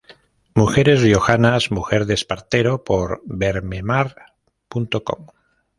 Mujeres riojanas: mujer de Espartero, por Bermemar.com.